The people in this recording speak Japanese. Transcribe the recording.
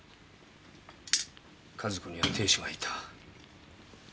加寿子には亭主がいた。